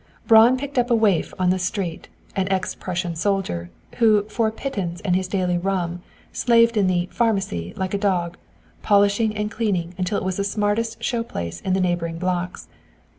Braun picked up a waif of the street, an ex Prussian soldier, who for a pittance and his daily "rum," slaved in the "Pharmacy" like a dog, polishing and cleaning until it was the smartest show place of the neighboring blocks.